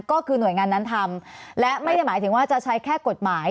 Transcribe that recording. ก็คือหน่วยงานนั้นทำและไม่ได้หมายถึงว่าจะใช้แค่กฎหมาย